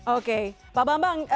oke pak bambang